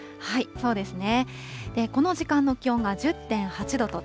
そうですね。